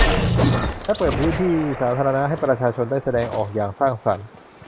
และเปิดพื้นที่สาธารณะให้ประชาชนได้แสดงออกอย่างสร้างสรรค์